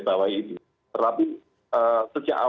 kawan kawan kepolisian ini yang saya menjelaskan